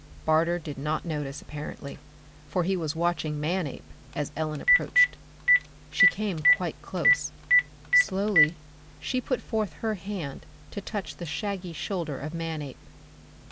Barter did not notice, apparently, for he was watching Manape as Ellen approached. She came quite close. Slowly she put forth her hand to touch the shaggy shoulder of Manape.